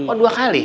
oh dua kali